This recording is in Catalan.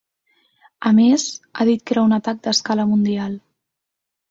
A més, ha dit que era un atac ‘d’escala mundial’.